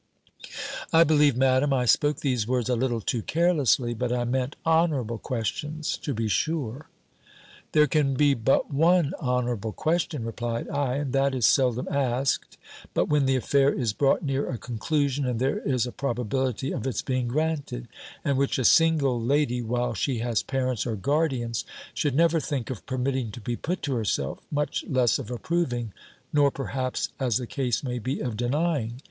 "I believe, Madam, I spoke these words a little too carelessly; but I meant honourable questions, to be sure." "There can be but one honourable question," replied I; "and that is seldom asked, but when the affair is brought near a conclusion, and there is a probability of its being granted; and which a single lady, while she has parents or guardians, should never think of permitting to be put to herself, much less of approving, nor, perhaps, as the case may be of denying.